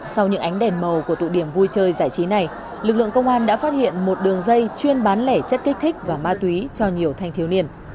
sau những ánh đèn màu của tụ điểm vui chơi giải trí này lực lượng công an đã phát hiện một đường dây chuyên bán lẻ chất kích thích và ma túy cho nhiều thanh thiếu niên